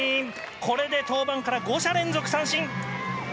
これで登板から５者連続三振！